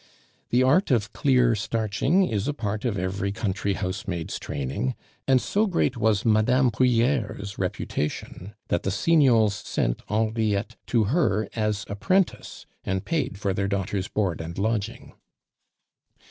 The art of clear starching is a part of every country housemaid's training; and so great was Mme. Prieur's reputation, that the Signols sent Henriette to her as apprentice, and paid for their daughter's board and lodging.